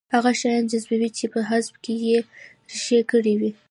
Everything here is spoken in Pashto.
هغه شيان جذبوي چې په هغه کې يې رېښې کړې وي.